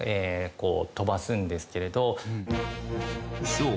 そう！